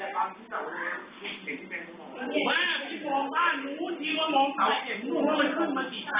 มันมีเกือบอะไรพี่ฟองบ้านนู้นทีว่ามองขาวเจ็บนู้นมันขึ้นมากี่ครั้ง